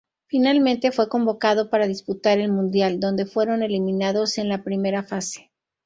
Finalmente fue convocado para disputar el Mundial, donde fueron eliminados en la primera fase.